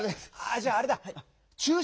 あじゃああれだ。